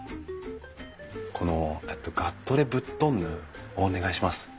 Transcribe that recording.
この「ガットレブットンヌ」をお願いします。